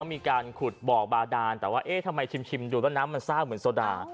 มีการขุดบ่อบาดานแต่ว่าเอ๊ะทำไมชิมดูแล้วน้ำมันสร้างเหมือนโซดา